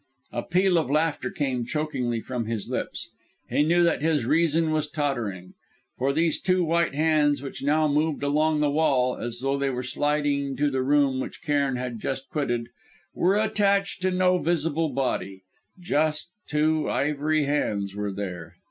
A peal of laughter came chokingly from his lips; he knew that his reason was tottering. For these two white hands which now moved along the wall, as though they were sidling to the room which Cairn had just quitted, were attached to no visible body; just two ivory hands were there